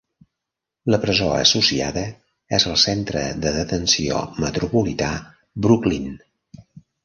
La presó associada és el Centre de Detenció Metropolità, Brooklyn.